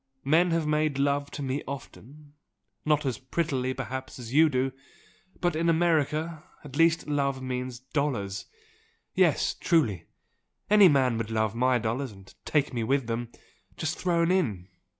Men have made love to me often not as prettily perhaps as you do! but in America at least love means dollars! Yes, truly! Any man would love my dollars, and take me with them, just thrown in!